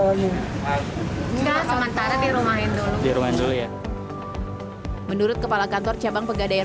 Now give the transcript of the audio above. hai menurut kepala kantor cabang pegadaian